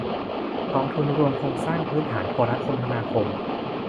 กองทุนรวมโครงสร้างพื้นฐานโทรคมนาคม